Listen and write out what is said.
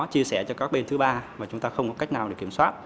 chia sẻ cho các bên thứ ba mà chúng ta không có cách nào để kiểm soát